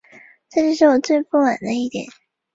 这就是我最不满的一点